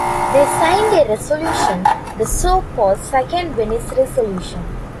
They signed a Resolution, the so-called "Second Venice Resolution".